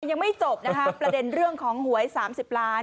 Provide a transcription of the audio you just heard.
ยังไม่จบนะคะประเด็นเรื่องของหวย๓๐ล้าน